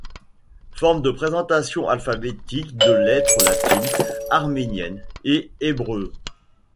Formes de présentation alphabétiques de lettres latines, arméniennes et hébreues.